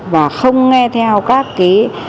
và không nghe theo các cái